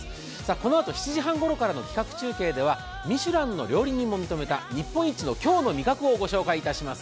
このあと７時半ごろからの企画中継ではミシュランの料理人も認めた日本一の京の味覚をお届けします。